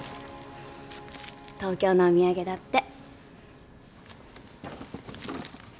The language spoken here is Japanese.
東京のお土産だって。